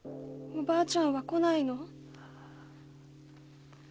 おばあちゃんは来ないの？